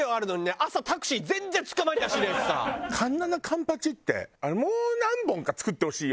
環七環八ってもう何本か造ってほしいよね